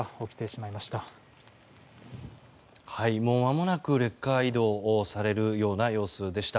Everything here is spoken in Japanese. もうまもなくレッカー移動されるような様子でした。